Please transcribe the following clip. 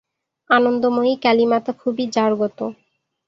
আনন্দময়ী কালী মাতা খুবই জার্গত।